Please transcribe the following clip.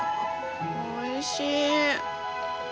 おいしい。